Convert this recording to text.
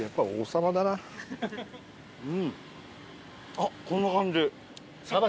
あっこんな感じ。